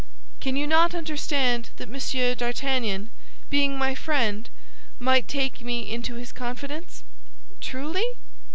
"Can you not understand that Monsieur d'Artagnan, being my friend, might take me into his confidence?" "Truly?"